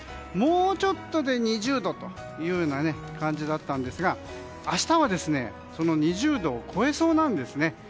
もうちょっとで２０度というような感じだったんですが明日は２０度を超えそうなんです。